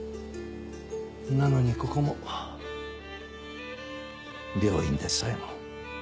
なのにここも病院でさえも。